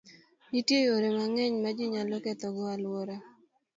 Nitie yore mang'eny ma ji nyalo kethogo alwora.